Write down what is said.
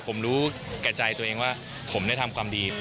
ผมรู้แก่ใจตัวเองว่าผมได้ทำความดี